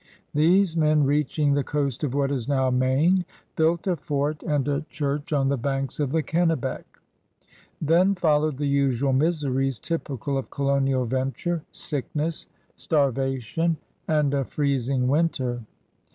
These men, reaching the coast of what is now Maine, built a fort and a church on the banks of the Kennebec. Then fol lowed the usual miseries typical of colonial ven ture — sickness, starvation, and a freezing winter.